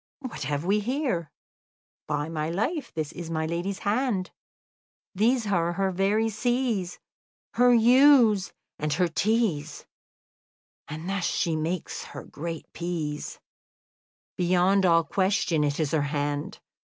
"What have we here? By my life, this is my lady's hand; these are her very C's, her U's, and her T's; and thus she makes her great P's. Beyond all question it is her hand."